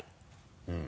うん。